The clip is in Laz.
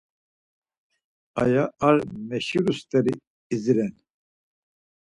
Aya ar meşiru steri idziren.